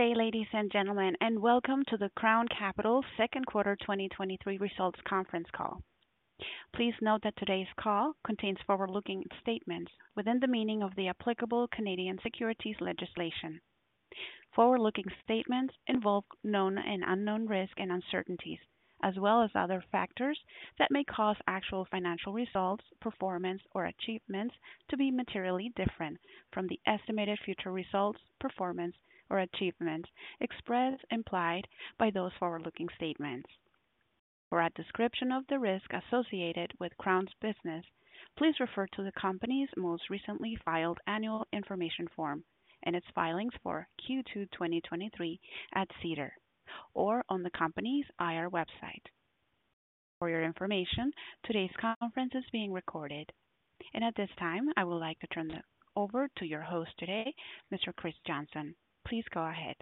Good day, ladies and gentlemen, and welcome to the Crown Capital Second Quarter 2023 Results Conference Call. Please note that today's call contains forward-looking statements within the meaning of the applicable Canadian securities legislation. Forward-looking statements involve known and unknown risks and uncertainties, as well as other factors that may cause actual financial results, performance, or achievements to be materially different from the estimated future results, performance, or achievements expressed, implied by those forward-looking statements. For a description of the risks associated with Crown's business, please refer to the company's most recently filed annual information form and its filings for Q2 2023 at SEDAR or on the company's IR website. For your information, today's conference is being recorded. At this time, I would like to turn it over to your host today, Mr. Chris Johnson. Please go ahead.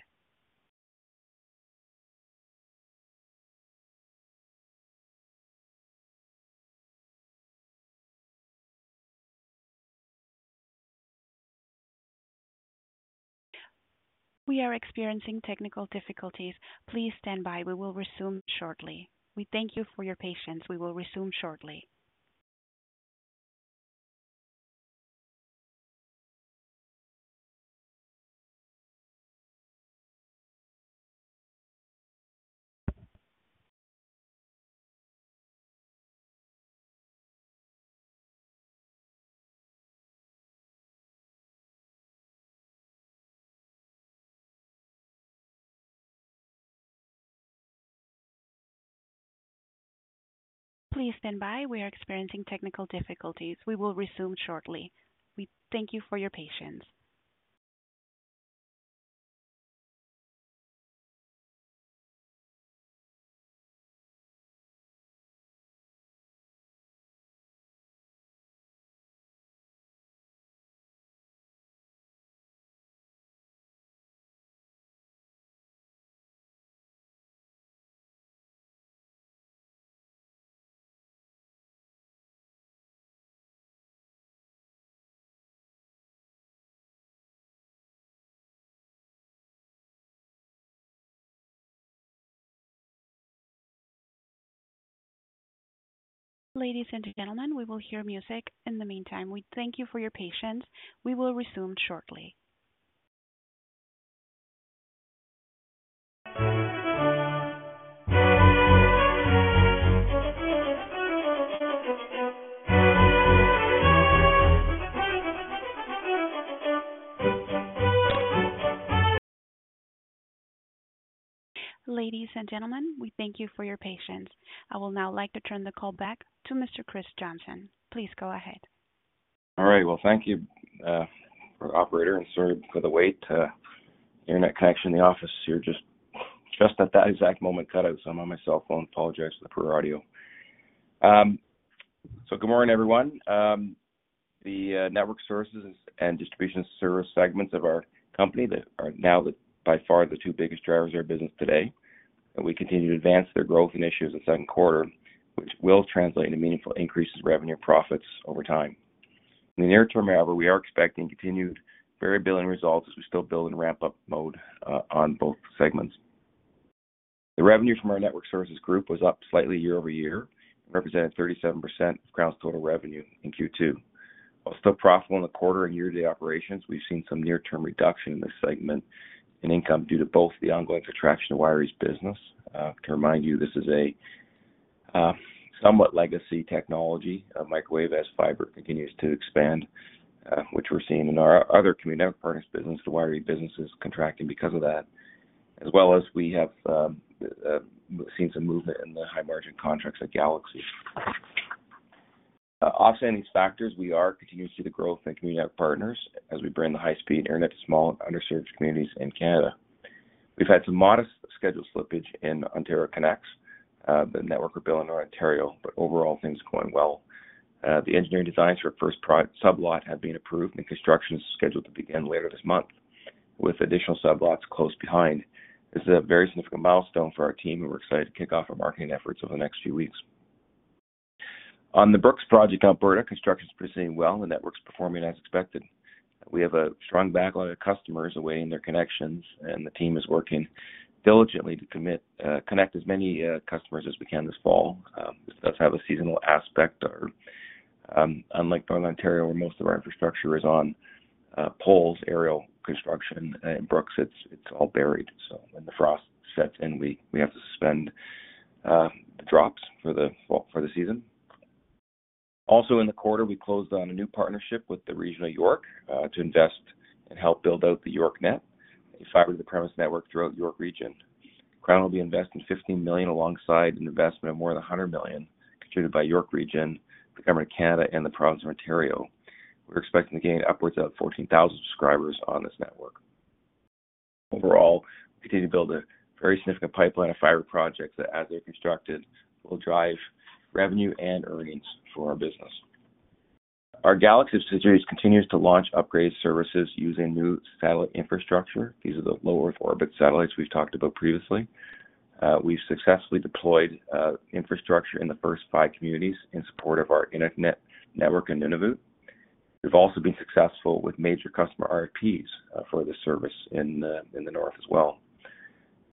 We are experiencing technical difficulties. Please stand by. We will resume shortly. We thank you for your patience. We will resume shortly. Please stand by. We are experiencing technical difficulties. We will resume shortly. We thank you for your patience. Ladies and gentlemen, we will hear music. In the meantime, we thank you for your patience. We will resume shortly. Ladies and gentlemen, we thank you for your patience. I will now like to turn the call back to Mr. Chris Johnson. Please go ahead. All right, well, thank you, operator, and sorry for the wait. Internet connection in the office here, just, just at that exact moment, cut out. I'm on my cell phone. Apologize for the poor audio. Good morning, everyone. The Network Services and Distribution Services segments of our company that are now by far the two biggest drivers of our business today, and we continue to advance their growth initiatives in the second quarter, which will translate into meaningful increases in revenue and profits over time. In the near term, however, we are expecting continued variability in results as we still build in ramp-up mode on both segments. The revenue from our Network Services group was up slightly year-over-year, representing 37% of Crown's total revenue in Q2. While still profitable in the quarter and year-day operations, we've seen some near-term reduction in this segment in income due to both the ongoing contraction of WireIE's business. To remind you, this is a somewhat legacy technology of microwave as fiber continues to expand, which we're seeing in our other community partners business. The WireIE business is contracting because of that, as well as we have seen some movement in the high-margin contracts at Galaxy. Offsetting these factors, we are continuing to see the growth in community partners as we bring the high-speed internet to small, underserved communities in Canada. We've had some modest schedule slippage in Ontario Connects, the network we're building in Ontario, but overall, things are going well. The engineering designs for our first product, sublot, have been approved, and construction is scheduled to begin later this month, with additional sublots close behind. This is a very significant milestone for our team, and we're excited to kick off our marketing efforts over the next few weeks. On the Brooks project, Alberta, construction is proceeding well and network is performing as expected. We have a strong backlog of customers awaiting their connections, and the team is working diligently to commit, connect as many customers as we can this fall. This does have a seasonal aspect or, unlike Northern Ontario, where most of our infrastructure is on poles, aerial construction, in Brooks, it's, it's all buried. When the frost sets in, we, we have to suspend the drops for the fall, for the season. In the quarter, we closed on a new partnership with the Regional Municipality of York to invest and help build out the YorkNet, a fiber to the premise network throughout York Region. Crown will be investing 15 million, alongside an investment of more than 100 million contributed by York Region, the Government of Canada, and the Province of Ontario. We're expecting to gain upwards of 14,000 subscribers on this network. Overall, we continue to build a very significant pipeline of fiber projects that, as they're constructed, will drive revenue and earnings for our business. Our Galaxy series continues to launch upgraded services using new satellite infrastructure. These are the low-earth orbit satellites we've talked about previously. We successfully deployed infrastructure in the first five communities in support of our internet network in Nunavut. We've also been successful with major customer RFPs for this service in the, in the North as well.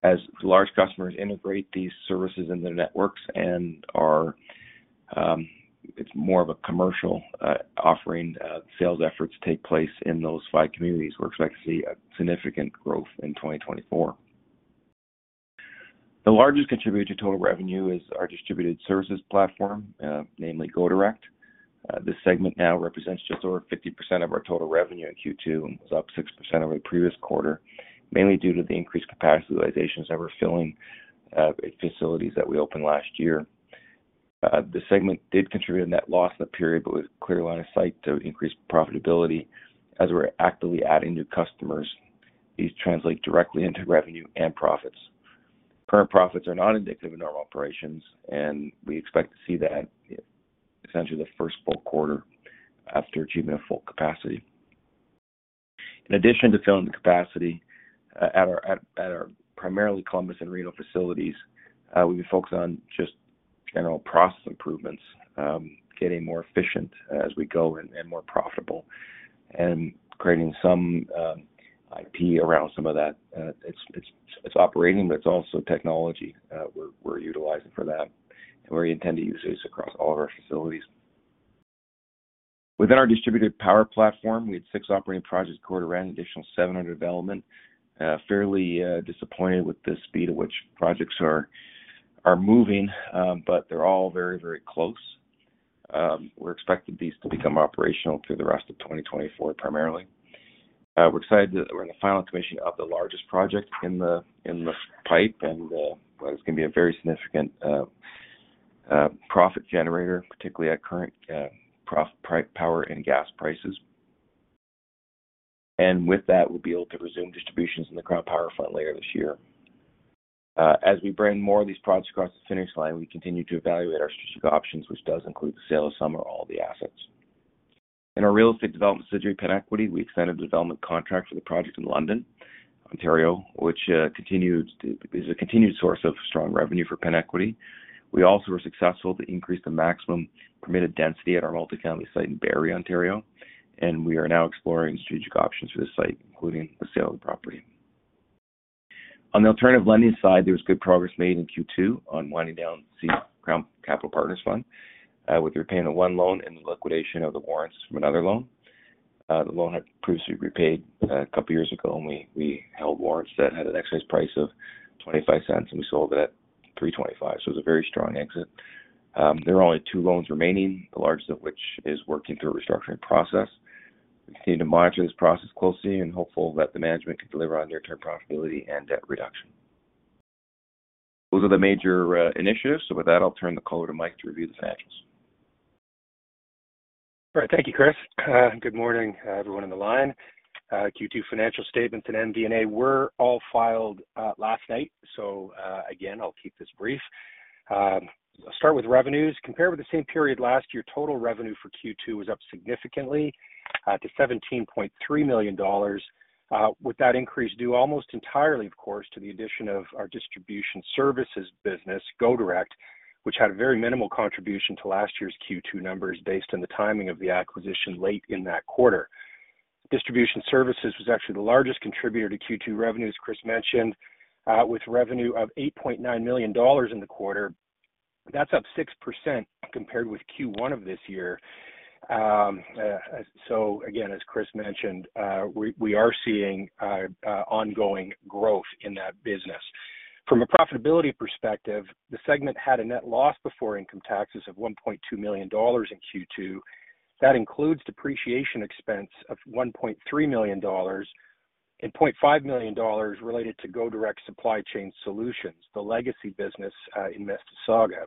As large customers integrate these services in their networks and are, it's more of a commercial offering, sales efforts take place in those five communities. We expect to see a significant growth in 2024. The largest contributor to total revenue is our distribution services platform, namely, Go Direct. This segment now represents just over 50% of our total revenue in Q2, and was up 6% over the previous quarter, mainly due to the increased capacity utilizations that we're filling, at facilities that we opened last year. The segment did contribute a net loss in the period, but with clear line of sight to increase profitability as we're actively adding new customers. These translate directly into revenue and profits. Current profits are not indicative of normal operations. We expect to see that essentially the first full quarter after achieving a full capacity. In addition to filling the capacity at our primarily Columbus and Reno facilities, we've been focused on just general process improvements, getting more efficient as we go and more profitable, and creating some IP around some of that. It's, it's, it's operating, but it's also technology we're utilizing for that, and we intend to use this across all of our facilities. Within our distributed power platform, we had six operating projects quarter end, additional seven under development. Fairly disappointed with the speed at which projects are moving, but they're all very, very close. We're expecting these to become operational through the rest of 2024, primarily. We're excited that we're in the final commission of the largest project in the, in the pipe, well, it's going to be a very significant profit generator, particularly at current profit, power and gas prices. With that, we'll be able to resume distributions in the Crown Power Fund later this year. As we bring more of these projects across the finish line, we continue to evaluate our strategic options, which does include the sale of some or all the assets. In our real estate development subsidiary, PenEquity, we extended the development contract for the project in London, Ontario, which is a continued source of strong revenue for PenEquity. We also were successful to increase the maximum permitted density at our multi-county site in Barrie, Ontario, and we are now exploring strategic options for this site, including the sale of the property. On the alternative lending side, there was good progress made in Q2 on winding down the Crown Capital Partners Fund, with repaying of one loan and the liquidation of the warrants from another loan. The loan had previously repaid, two years ago, and we, we held warrants that had an exercise price of 0.25, and we sold it at 3.25. It was a very strong exit. There are only two loans remaining, the largest of which is working through a restructuring process. We continue to monitor this process closely and hopeful that the management can deliver on near-term profitability and debt reduction. Those are the major initiatives. With that, I'll turn the call over to Mike to review the financials. All right, thank you, Chris. Good morning, everyone on the line. Q2 financial statements and MD&A were all filed last night. Again, I'll keep this brief. Let's start with revenues. Compared with the same period last year, total revenue for Q2 was up significantly to 17.3 million dollars with that increase due almost entirely, of course, to the addition of our Distribution Services business, Go Direct, which had a very minimal contribution to last year's Q2 numbers based on the timing of the acquisition late in that quarter. Distribution Services was actually the largest contributor to Q2 revenues, Chris mentioned, with revenue of 8.9 million dollars in the quarter. That's up 6% compared with Q1 of this year. Again, as Chris mentioned, we are seeing ongoing growth in that business. From a profitability perspective, the segment had a net loss before income taxes of $1.2 million in Q2. That includes depreciation expense of $1.3 million and $0.5 million related to Go Direct Supply Chain Solutions, the legacy business in Mississauga.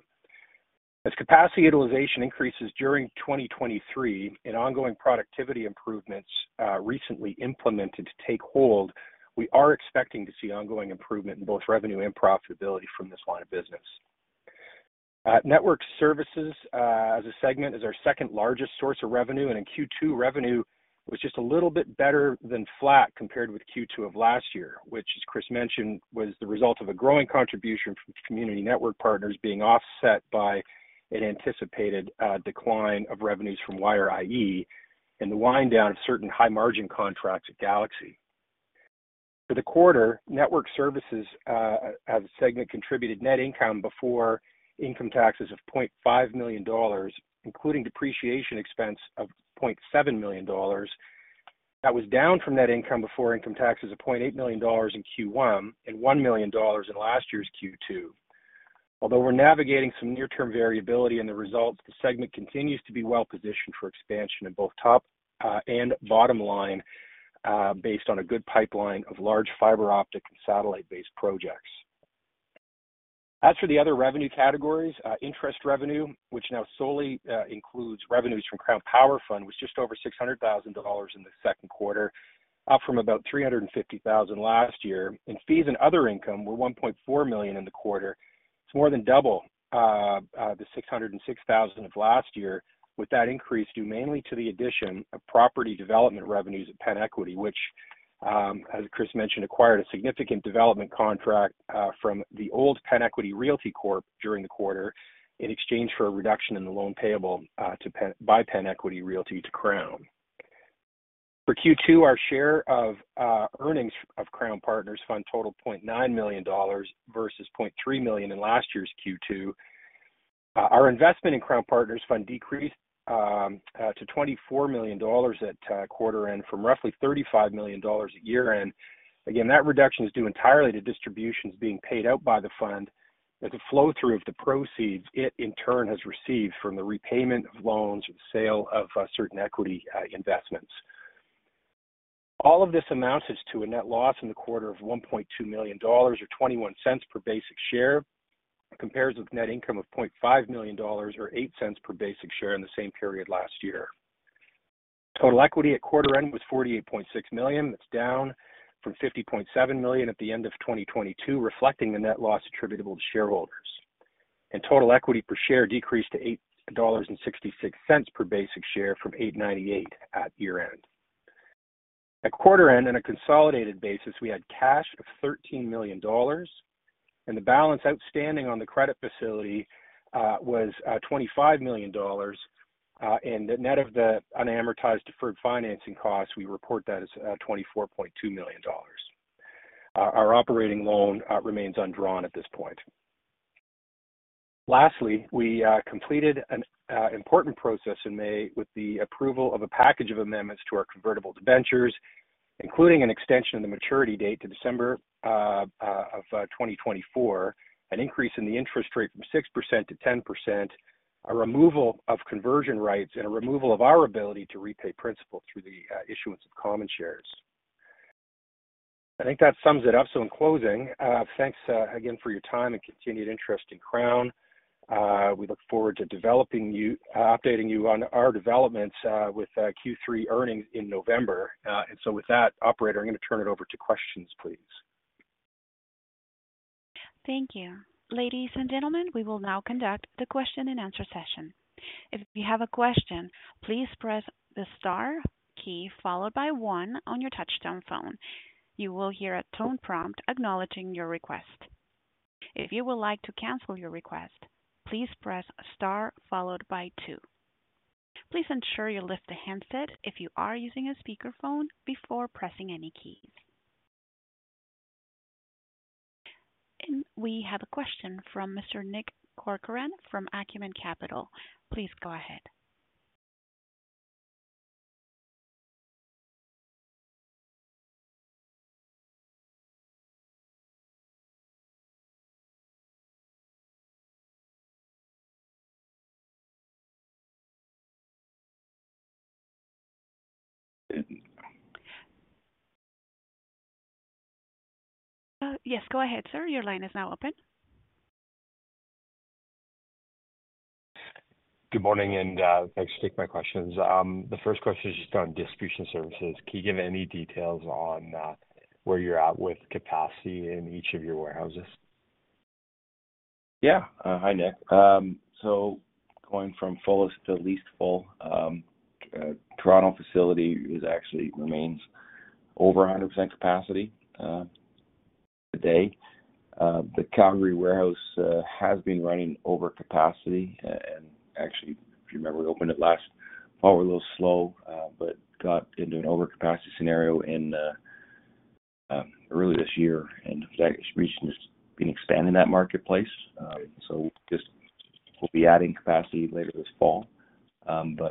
As capacity utilization increases during 2023 and ongoing productivity improvements recently implemented to take hold, we are expecting to see ongoing improvement in both revenue and profitability from this line of business. Network services, as a segment, is our second-largest source of revenue, and in Q2, revenue was just a little bit better than flat compared with Q2 of last year, which, as Chris mentioned, was the result of a growing contribution from Community Network Partners being offset by an anticipated decline of revenues from WireIE and the wind down of certain high-margin contracts at Galaxy. For the quarter, network services, as a segment, contributed net income before income taxes of 0.5 million dollars, including depreciation expense of 0.7 million dollars. That was down from net income before income taxes of 0.8 million dollars in Q1 and 1 million dollars in last year's Q2. Although we're navigating some near-term variability in the results, the segment continues to be well-positioned for expansion in both top and bottom line, based on a good pipeline of large fiber optic and satellite-based projects. As for the other revenue categories, interest revenue, which now solely includes revenues from Crown Power Fund, was just over 600,000 dollars in the second quarter, up from about 350,000 last year. And fees and other income were 1.4 million in the quarter. It's more than double the 606,000 of last year, with that increase due mainly to the addition of property development revenues at PenEquity, which- As Chris mentioned, acquired a significant development contract from the old PenEquity Realty Corp during the quarter, in exchange for a reduction in the loan payable by PenEquity Realty to Crown. For Q2, our share of earnings of Crown Partners Fund totaled 0.9 million dollars versus 0.3 million in last year's Q2. Our investment in Crown Partners Fund decreased to 24 million dollars at quarter end, from roughly 35 million dollars at year-end. Again, that reduction is due entirely to distributions being paid out by the fund, as a flow-through of the proceeds it in turn has received from the repayment of loans or the sale of certain equity investments. All of this amounts to a net loss in the quarter of 1.2 million dollars, or 0.21 per basic share. It compares with net income of 0.5 million dollars, or 0.08 per basic share in the same period last year. Total equity at quarter end was 48.6 million. That's down from 50.7 million at the end of 2022, reflecting the net loss attributable to shareholders. Total equity per share decreased to 8.66 dollars per basic share from 8.98 at year-end. At quarter end, in a consolidated basis, we had cash of 13 million dollars, and the balance outstanding on the credit facility was 25 million dollars. The net of the unamortized deferred financing costs, we report that as 24.2 million dollars. Our operating loan remains undrawn at this point. Lastly, we completed an important process in May with the approval of a package of amendments to our convertible debentures, including an extension of the maturity date to December of 2024, an increase in the interest rate from 6% to 10%, a removal of conversion rights, and a removal of our ability to repay principal through the issuance of common shares. I think that sums it up. In closing, thanks again, for your time and continued interest in Crown. We look forward to updating you on our developments with Q3 earnings in November. With that, operator, I'm going to turn it over to questions, please. Thank you. Ladies and gentlemen, we will now conduct the question-and-answer session. If you have a question, please press the star key followed by one on your touchtone phone. You will hear a tone prompt acknowledging your request. If you would like to cancel your request, please press star followed by two. Please ensure you lift the handset if you are using a speakerphone before pressing any keys. We have a question from Mr. Nick Corcoran from Acumen Capital. Please go ahead. Yes, go ahead, sir. Your line is now open. Good morning, and thanks for taking my questions. The first question is just on Distribution Services. Can you give any details on where you're at with capacity in each of your warehouses? Yeah. Hi, Nick. Going from fullest to least full, Toronto facility is actually remains over 100% capacity today. The Calgary warehouse has been running over capacity. Actually, if you remember, we opened it last fall, a little slow, but got into an overcapacity scenario earlier this year, and in fact, recently been expanding that marketplace. Just we'll be adding capacity later this fall.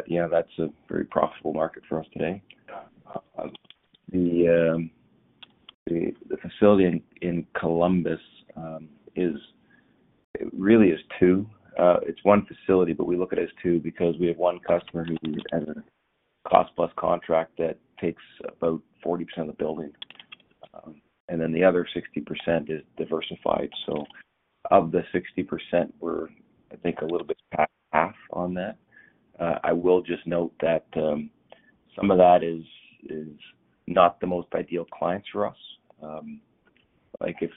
Yeah, that's a very profitable market for us today. The facility in Columbus is... It really is two. It's one facility, but we look at it as two because we have one customer who's in a cost-plus contract that takes about 40% of the building, and then the other 60% is diversified. Of the 60%, we're, I think, a little bit past half on that. I will just note that some of that is not the most ideal clients for us. Like, if,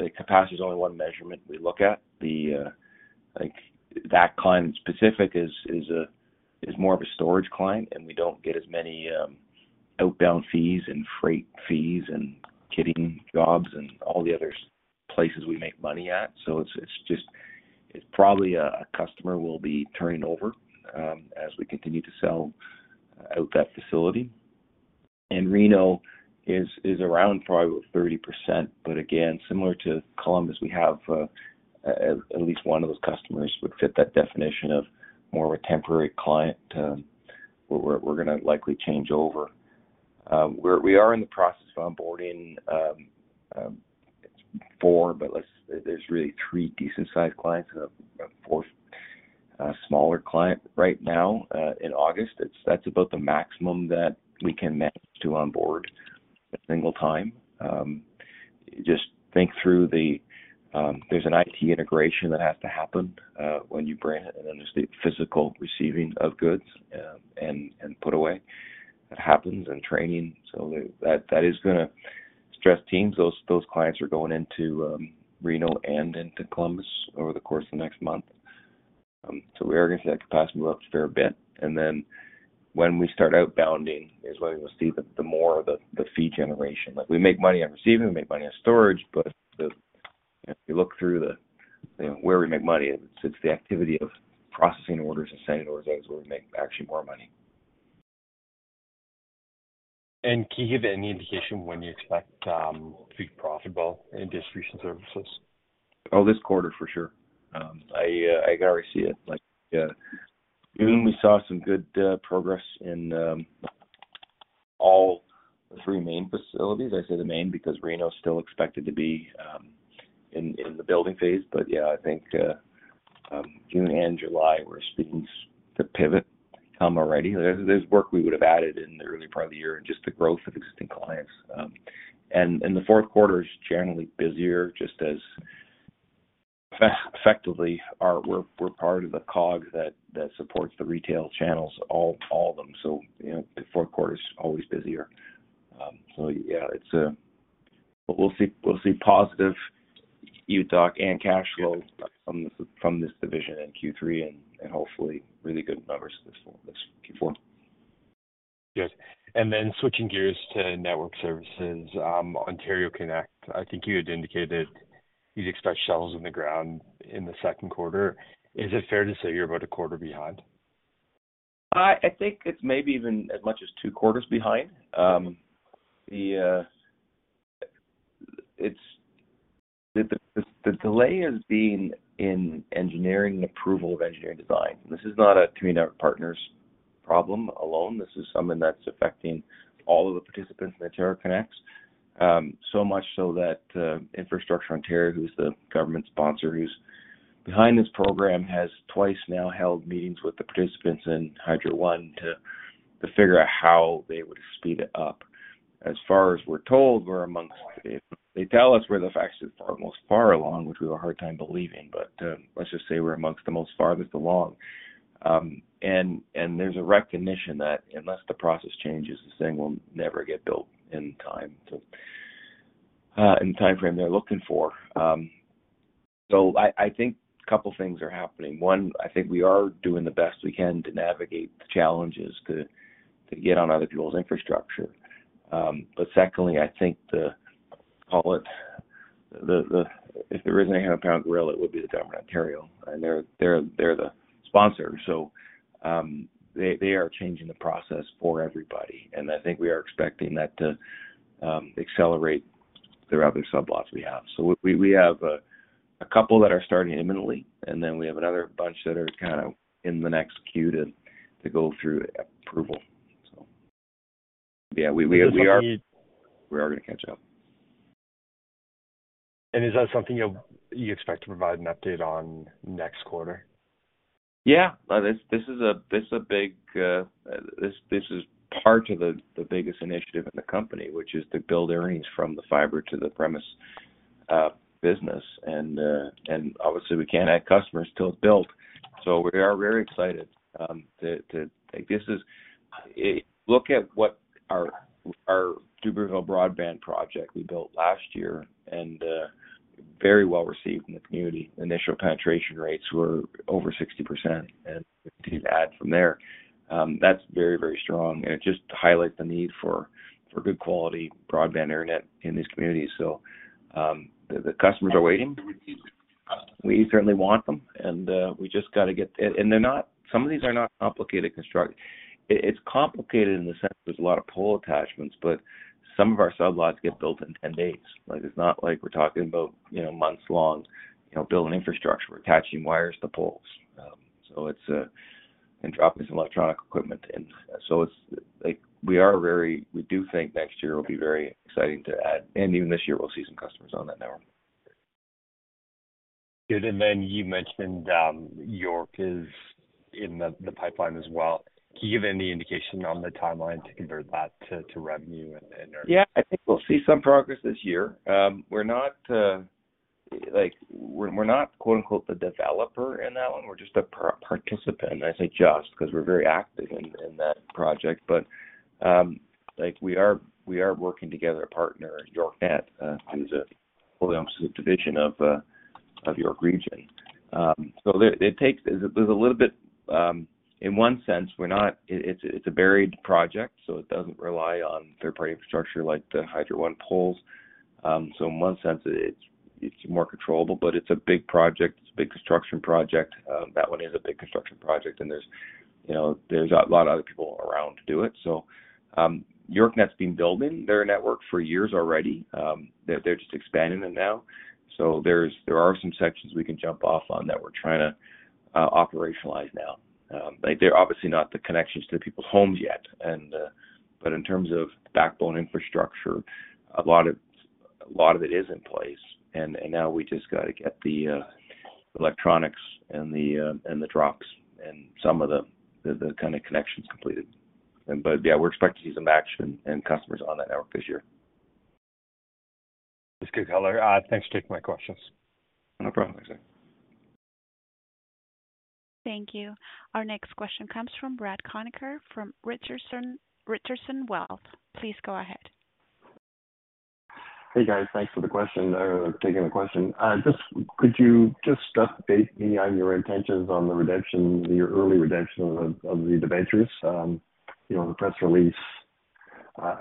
like, capacity is only one measurement we look at. The, like, that client-specific is a, is more of a storage client, and we don't get as many outbound fees and freight fees and kitting jobs and all the other places we make money at. It's, it's just, it's probably a customer will be turning over as we continue to sell out that facility. Reno is, is around probably 30%, but again, similar to Columbus, we have at least one of those customers would fit that definition of more of a temporary client, we're, we're gonna likely change over. We are in the process of onboarding four, but there's really three decent-sized clients and a 4th, smaller client right now in August. That's, that's about the maximum that we can manage to onboard at single time. Just think through the... There's an IT integration that has to happen when you bring it in, and then the physical receiving of goods, and, and put away. It happens in training, so that, that is gonna stress teams. Those, those clients are going into Reno and into Columbus over the course of the next month. We are gonna see that capacity go up a fair bit. Then when we start outbounding, is when we will see the, the more of the, the fee generation. Like, we make money on receiving, we make money on storage, but if you look through the, you know, where we make money, it's, it's the activity of processing orders and sending orders out is where we make actually more money. Can you give any indication of when you expect to be profitable in Distribution Services? Oh, this quarter, for sure. I, I can already see it. Like, yeah, June, we saw some good progress in all the three main facilities. I say the main because Reno is still expected to be in the building phase. Yeah, I think June and July, we're seeing the pivot come already. There, there's work we would have added in the early part of the year and just the growth of existing clients. And the fourth quarter is generally busier, just as effectively, we're part of the cog that supports the retail channels, all of them. You know, the fourth quarter is always busier. Yeah, it's... We'll see, we'll see positive EBITDA and cash flow from this, from this division in Q3, and, and hopefully, really good numbers this, this Q4. Yes. Then switching gears to Network Services, Ontario Connects, I think you had indicated that you'd expect shovels in the ground in the second quarter. Is it fair to say you're about a quarter behind? I think it's maybe even as much as two quarters behind. The delay has been in engineering and approval of engineering design. This is not a Community Network Partners problem alone. This is something that's affecting all of the participants in Ontario Connects. So much so that Infrastructure Ontario, who's the government sponsor, who's behind this program, has 2x now held meetings with the participants in Hydro One to figure out how they would speed it up. As far as we're told, we're amongst the. They tell us we're the fastest, most far along, which we have a hard time believing, but let's just say we're amongst the most farthest along. There's a recognition that unless the process changes, this thing will never get built in time in the timeframe they're looking for. I, I think a couple of things are happening. One, I think we are doing the best we can to navigate the challenges to get on other people's infrastructure. Secondly, I think the, call it, the, the... If there is an 800-pound gorilla, it would be the Government of Ontario, and they're, they're, they're the sponsor, they, they are changing the process for everybody, and I think we are expecting that to accelerate the other sub-lots we have. We, we, we have a, a couple that are starting imminently, and then we have another bunch that are kinda in the next queue to go through approval. Yeah, we, we are- Is there something? We are gonna catch up. Is that something you, you expect to provide an update on next quarter? Yeah. This, this is a, this is a big, this, this is part of the biggest initiative in the company, which is to build earnings from the fiber to the premise business. Obviously, we can't add customers till it's built, we are very excited. Like, this is, look at what our Dubeauville Broadband project we built last year, very well-received in the community. Initial penetration rates were over 60%, you add from there. That's very, very strong, it just highlights the need for good quality broadband internet in these communities. The customers are waiting. We certainly want them. Some of these are not complicated construction. It, it's complicated in the sense there's a lot of pole attachments, but some of our sublots get built in 10 days. Like, it's not like we're talking about, you know, months long, you know, building infrastructure. We're attaching wires to poles, and dropping some electronic equipment in. Like, we do think next year will be very exciting to add, and even this year, we'll see some customers on that network. Good. Then you mentioned, York is in the pipeline as well. Can you give any indication on the timeline to convert that to revenue? Yeah, I think we'll see some progress this year. We're not, like, we're, we're not, quote-unquote, "the developer" in that one. We're just a participant. I say just because we're very active in that project, but, like, we are, we are working together a partner, YorkNet, who's a fully owned subdivision of York Region. There's a little bit, in one sense, it's a buried project, so it doesn't rely on third-party infrastructure like the Hydro One poles. In one sense, it's more controllable, but it's a big project. It's a big construction project. That one is a big construction project, and there's, you know, there's a lot of other people around to do it. YorkNet's been building their network for years already. They're, they're just expanding it now. There's, there are some sections we can jump off on that we're trying to operationalize now. They're obviously not the connections to the people's homes yet, but in terms of backbone infrastructure, a lot of, a lot of it is in place, and now we just got to get the electronics and the and the drops and some of the kind of connections completed. But yeah, we expect to see some action and customers on that network this year. That's good, color. Thanks for taking my questions. No problem, sir. Thank you. Our next question comes from Brad Conacher, from Richardson, Richardson Wealth. Please go ahead. Hey, guys. Thanks for the question, taking the question. Just could you just update me on your intentions on the redemption, your early redemption of the debentures? You know, the press release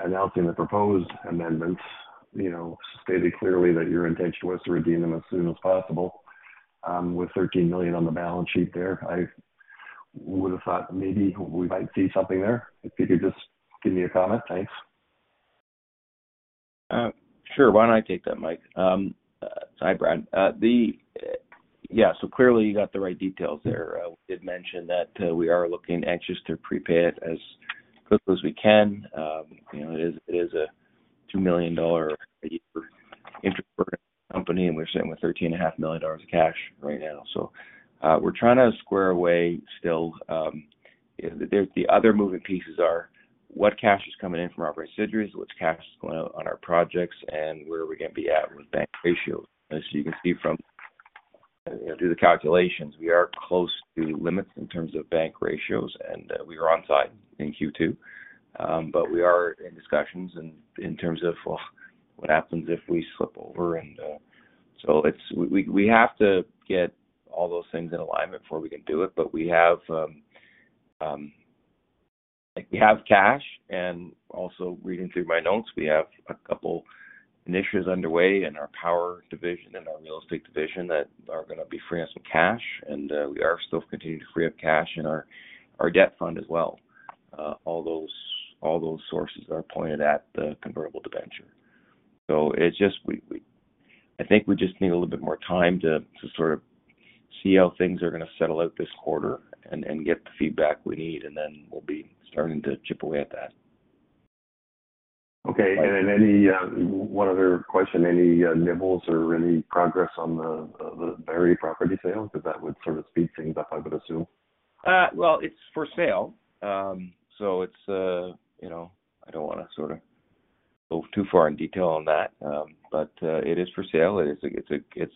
announcing the proposed amendments, you know, stated clearly that your intention was to redeem them as soon as possible. With 13 million on the balance sheet there, I would have thought maybe we might see something there. If you could just give me a comment. Thanks. Sure. Why don't I take that, Mike? Sorry, Brad. The, yeah, clearly, you got the right details there. We did mention that we are looking anxious to prepay it as quickly as we can. You know, it is, it is a 2 million dollar a year interest company, and we're sitting with 13.5 million dollars of cash right now. We're trying to square away still. There's the other moving pieces are, what cash is coming in from our residues, which cash is going out on our projects, and where are we gonna be at with bank ratios? As you can see from, you know, do the calculations, we are close to limits in terms of bank ratios, and we are on site in Q2. We are in discussions and in terms of what happens if we slip over. It's, we have to get all those things in alignment before we can do it. We have cash and also reading through my notes, we have a couple initiatives underway in our power division and our real estate division that are gonna be freeing up some cash. We are still continuing to free up cash in our debt fund as well. All those sources are pointed at the convertible debenture. It's just I think we just need a little bit more time sort of see how things are gonna settle out this quarter and get the feedback we need, and then we'll be starting to chip away at that. Okay. any, one other question, any, nibbles or any progress on the, the Barrie property sale? that would sort of speed things up, I would assume. Well, it's for sale. So it's, you know, I don't wanna sorta go too far in detail on that, but it is for sale. It's a, it's a, it's...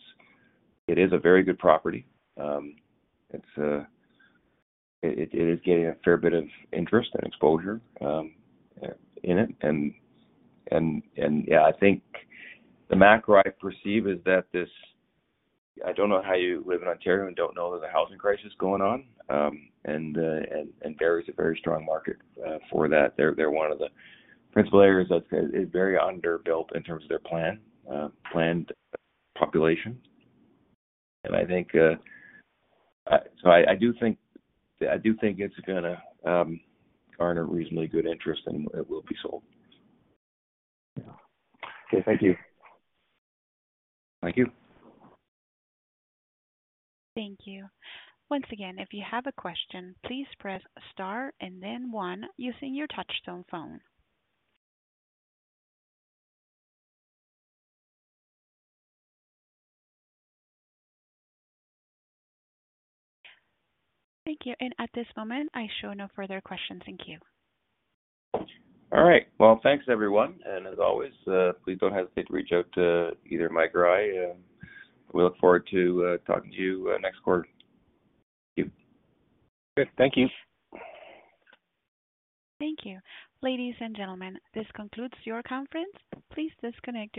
It is a very good property. It's, it is getting a fair bit of interest and exposure in it, and, and, and, yeah, I think the macro I perceive is that this- I don't know how you live in Ontario and don't know that there's a housing crisis going on, and, and, Barrie's a very strong market for that. They're, they're one of the principal areas that's very underbuilt in terms of their plan, planned population. I think, so I, I do think, I do think it's gonna garner reasonably good interest, and it will be sold. Yeah. Okay. Thank you. Thank you. Thank you. Once again, if you have a question, please press star and then one using your touch-tone phone. Thank you. At this moment, I show no further questions. Thank you. All right. Well, thanks, everyone, and as always, please don't hesitate to reach out to either Mike or I, and we look forward to talking to you next quarter. Thank you. Good. Thank you. Thank you. Ladies and gentlemen, this concludes your conference. Please disconnect.